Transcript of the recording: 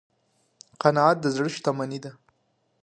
قناعت د زړه شتمني ده.